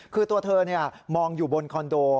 คือตัวเธอมองอยู่บนคอนโด